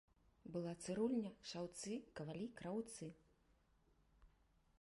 Была цырульня, шаўцы, кавалі, краўцы.